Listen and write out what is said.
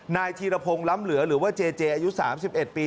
นายธีรพงศ์ล้ำเหลือหรือว่าเจเจอายุ๓๑ปี